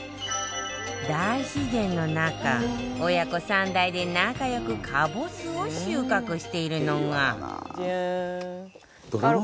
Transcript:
大自然の中、親子３代で仲良くカボスを収穫しているのが。